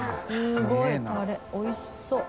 すごいタレおいしそう。